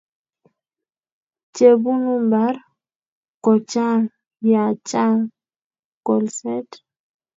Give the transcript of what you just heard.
chebunu mbar kochang ya chang kolset